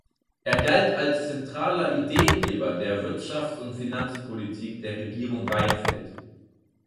Er galt als zentraler Ideengeber der Wirtschafts- und Finanzpolitik der Regierung Reinfeldt.